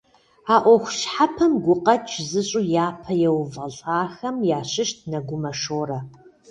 А ӏуэху щхьэпэм гукъэкӏ зыщӏу япэ еувэлӏахэм ящыщт Нэгумэ Шорэ.